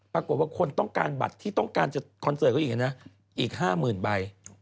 ปรากฏว่าคนต้องการบัตรที่ต้องการจะคอนเสิร์ตเขาอีกนะอีก๕๐๐๐ใบ